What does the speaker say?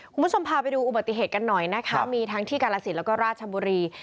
คุณผู้ชมพาไปดูอุบัติเหตุกันหน่อยนะคะมีทั้งที่กาลสินแล้วก็ราชบุรี